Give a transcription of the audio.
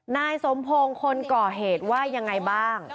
นายสมพงศ์คนก่อเหตุว่ายังไงบ้าง